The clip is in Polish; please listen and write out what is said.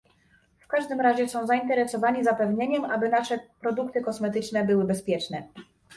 W każdym razie są zainteresowani zapewnieniem, aby nasze produkty kosmetyczne były bezpieczne